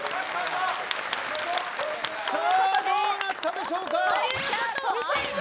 どうなったでしょうか。